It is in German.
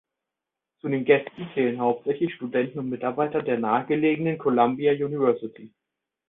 Zu den Gästen zählen hauptsächlich Studenten und Mitarbeiter der nahegelegenen Columbia University.